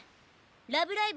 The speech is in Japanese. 「ラブライブ！」